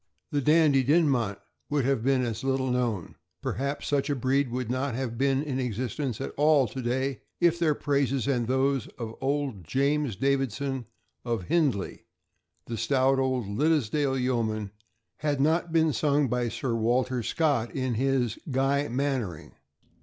The Dandie Dinmont would have been as little known, perhaps such a breed would not have been in existence at all to day, if their praises and those of old James Davidson, of Hindlee, the stout old Liddesdale yeoman, had not been sung by Sir Walter Scott in his "Gruy Mannering."